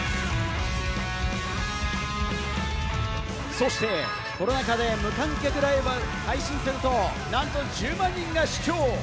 そして、コロナ禍で無観客ライブを配信すると、なんと１０万人が視聴。